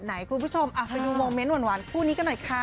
ไหนคุณผู้ชมอ่ะไปดูหวานหวานพูดนี้กันหน่อยค่ะ